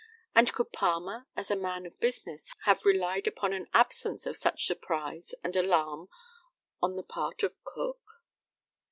And could Palmer, as a man of business, have relied upon an absence of such surprise and alarm on the part of Cook?